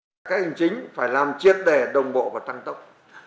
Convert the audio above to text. các hành chính phải làm triệt đẻ đồng bộ và tăng tốc